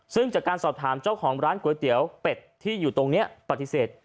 ซึ่งจากการสอบถามเจ้าของร้านก๋วยเตี๋ยวเป็ดที่อยู่ตรงนี้ปฏิเสธ